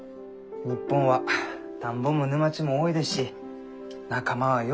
日本は田んぼも沼地も多いですし仲間はよ